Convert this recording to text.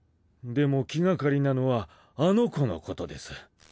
でも気がかりなのはあの子のことです。